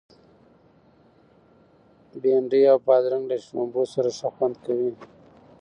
بنډۍ او بادرنګ له شړومبو سره ښه خوند کوي.